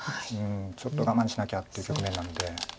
ちょっと我慢しなきゃっていう局面なので。